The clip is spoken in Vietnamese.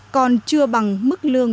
còn chưa bằng mức lương